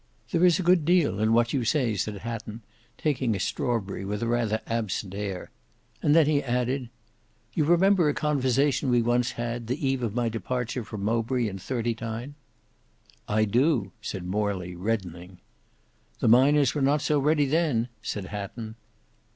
"There is a good deal in what you say," said Hatton, taking a strawberry with a rather absent air, and then he added, "You remember a conversation we once had, the eve of my departure from Mowbray in '39?" "I do," said Morley reddening. "The miners were not so ready then," said Hatton.